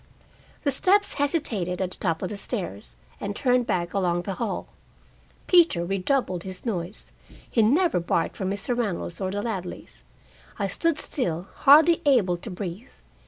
The steps hesitated at the top of the stairs, and turned back along the hall. Peter redoubled his noise; he never barked for Mr. Reynolds or the Ladleys. I stood still, hardly able to breathe.